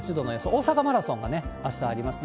大阪マラソンがあしたありますね。